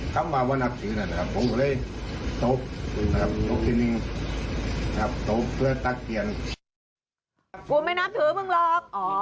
ไม่นับถือมึงหรอก